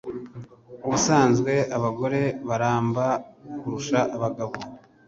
Ubusanzwe abagore baramba kurusha abagabo